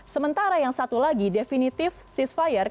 sementara yang satu lagi definitive ceasefire